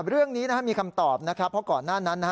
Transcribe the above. เรื่องนี้มีคำตอบนะครับเพราะก่อนหน้านั้น